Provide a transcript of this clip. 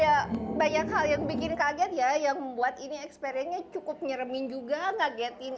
jadi ini memang ada banyak hal yang bikin kaget ya yang membuat ini eksperiennya cukup nyeremin juga kagetin